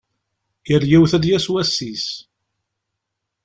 Yal yiwet ad d-yas wass-is.